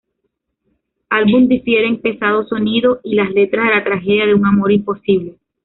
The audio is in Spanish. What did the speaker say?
Álbum difieren pesado sonido y las letras de la tragedia de un amor imposible.